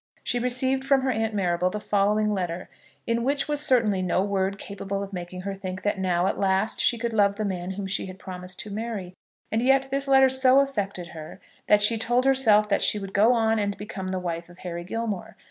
She received from her Aunt Marrable the following letter, in which was certainly no word capable of making her think that now, at last, she could love the man whom she had promised to marry. And yet this letter so affected her, that she told herself that she would go on and become the wife of Harry Gilmore.